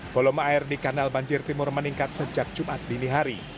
volume air di kanal banjir timur meningkat sejak jumat dini hari